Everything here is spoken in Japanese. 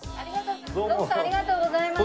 徳さんありがとうございます。